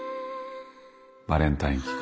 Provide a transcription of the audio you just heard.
バレンタイン期間